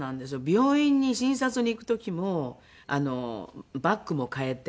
病院に診察に行く時もバッグも変えて。